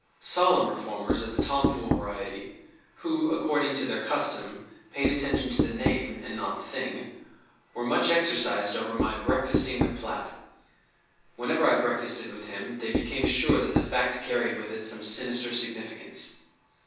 Solemn reformers of the tom fool variety, who, according to their custom, paid attention to the name and not the thing, were much exercised over my "breakfasting with Platt." Whenever I breakfasted with him they became sure that the fact carried with it some sinister significance.